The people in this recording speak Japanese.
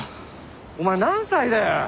お前何歳だよ。